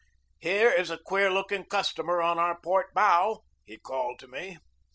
"Here is a queer looking customer on our port bow," he called to me.